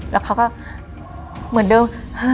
แล้วเขาก็เหมือนเดิม